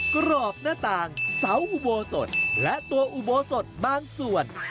กรอบหน้าต่างเสาอุโบสถและตัวอุโบสถบางส่วน